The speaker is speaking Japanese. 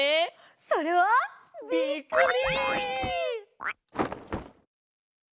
それは。びっくり！